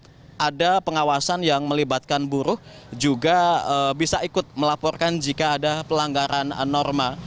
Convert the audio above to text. apakah ada pengawasan yang melibatkan buruh juga bisa ikut melaporkan jika ada pelanggaran norma